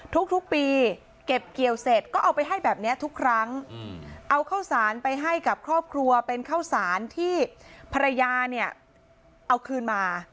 ทุกปีเก็บเกี่ยวเสร็จก็เอาไปให้แบบนี้ทุกครั้งเอาข้าวสารไปให้กับครอบครัวเป็นข้าวสารที่ภรรยาเนี่ยเอาคืนมา